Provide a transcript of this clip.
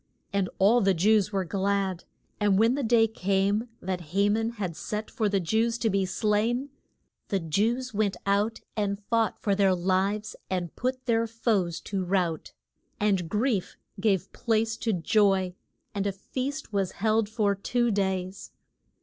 And all the Jews were glad; and when the day came that Ha man had set for the Jews to be slain, the Jews went out and fought for their lives and put their foes to rout. And grief gave place to joy, and a feast was held for two days.